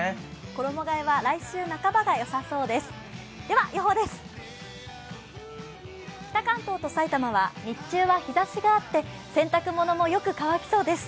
衣がえは来週半ばが良さそうです。